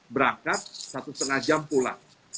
berangkat satu setengah jam pulang